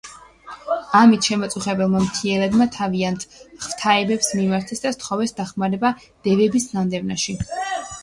ამით შეწუხებულმა მთიელებმა თავიანთ ღვთაებებს მიმართეს და სთხოვეს დახმარება დევების განდევნაში.